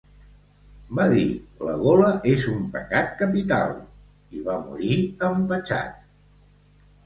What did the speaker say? Va dir la gola és un pecat capital i va morir empatxat